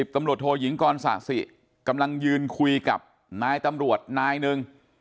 ตำรวจโทยิงกรศาสิกำลังยืนคุยกับนายตำรวจนายหนึ่ง